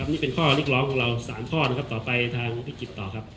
นี่เป็นข้อลิกร้องของเรา๓ข้อต่อไปทางพิจิตรต่อครับ